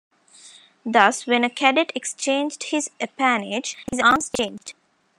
Thus, when a cadet exchanged his appanage, his arms changed.